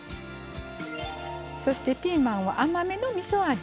そしてピーマンは甘めのみそ味。